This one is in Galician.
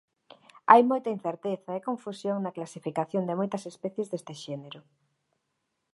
Hai moita incerteza e confusión na clasificación de moitas especies deste xénero.